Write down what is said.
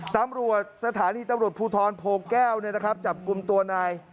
ตำรวจสถานีตำรวจภูทรโพแก้วจับกลุ่มตัวนาย